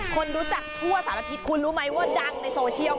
คนรู้จักทั่วสารทิศคุณรู้ไหมว่าดังในโซเชียล